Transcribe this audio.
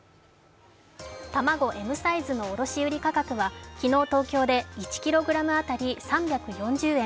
卵Ｍサイズの卸売価格は昨日、東京で１ｋｇ当たり３４０円。